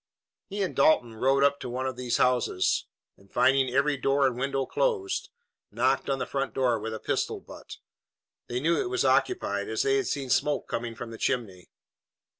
He and Dalton rode up to one of these houses, and, finding every door and window closed, knocked on the front door with a pistol butt. They knew it was occupied, as they had seen smoke coming from the chimney.